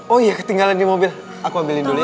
oh iya ketinggalan di mobil aku ambilin dulu ya